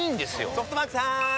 ソフトバンクさーん！